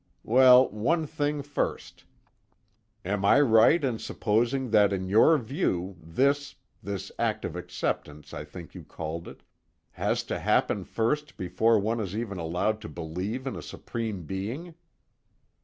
Well, one thing first: am I right in supposing that in your view, this this act of acceptance, I think you called it, has to happen first before one is even allowed to believe in a Supreme Being?"